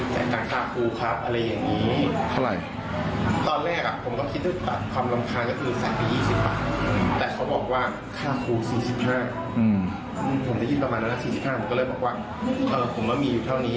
จ้าครู๔๕ผมได้ยินประมาณแล้วนะ๔๕ผมก็เลยบอกว่าเออผมว่ามีอยู่เท่านี้